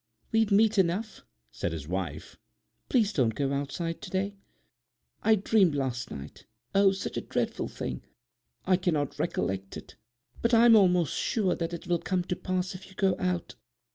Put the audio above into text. "We've meat enough," said the wife; "please don't go out to day. I dreamed last night, O, such a dreadful thing! I cannot recollect it, but I'm almost sure that it will come to pass if you go out."